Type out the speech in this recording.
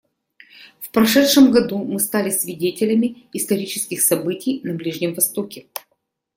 В прошедшем году мы стали свидетелями исторических событий на Ближнем Востоке.